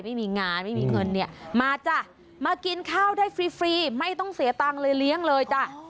ไม่มีงานไม่มีเงินเนี่ยมาจ้ะมากินข้าวได้ฟรีไม่ต้องเสียตังค์เลยเลี้ยงเลยจ้ะ